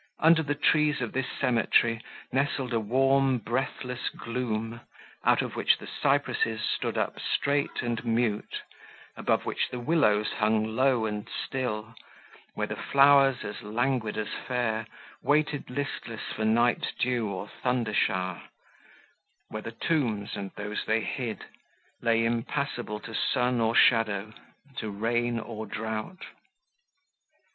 Under the trees of this cemetery nestled a warm breathless gloom, out of which the cypresses stood up straight and mute, above which the willows hung low and still; where the flowers, as languid as fair, waited listless for night dew or thunder shower; where the tombs, and those they hid, lay impassible to sun or shadow, to rain or drought.